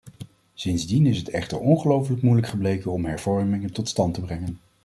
Sindsdien is het echter ongelofelijk moeilijk gebleken om hervormingen tot stand te brengen.